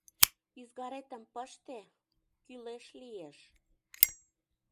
Ӱзгаретым пыште — кӱлеш лиеш.